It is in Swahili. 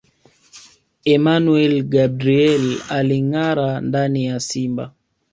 Emmanuel Gabriel Alingâara ndani ya Simba